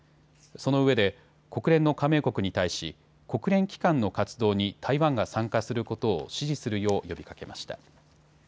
そのうえで国連の加盟国に対し、国連機関の活動に台湾が参加することを支持するよう呼びかけました。